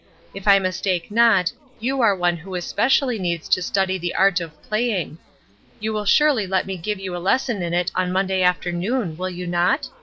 If I mistake not, you are one who especially needs to study the art of playing ; you will surely let me give you a lesson in it on Monday afternoon, will you not